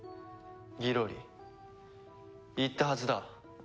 ギロリ言ったはずだ。